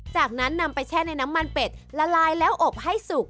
จากนั้นนำไปแช่ในน้ำมันเป็ดละลายแล้วอบให้สุก